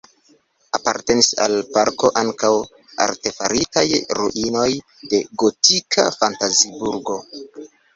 Apartenis al la parko ankaŭ artefaritaj ruinoj de gotika fantaziburgo.